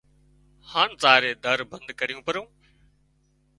هانَ زائينَ در بند ڪريون پرون